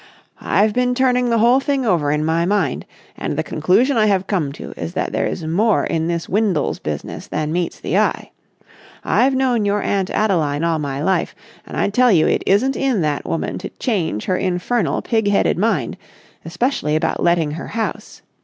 "I've been turning the whole thing over in my mind, and the conclusion I have come to is that there is more in this Windles business than meets the eye. I've known your Aunt Adeline all my life, and I tell you it isn't in that woman to change her infernal pig headed mind, especially about letting her house.